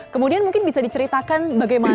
kemudian mungkin bisa diceritakan bagaimana